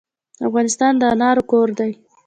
افغانستان د انارو کور دی.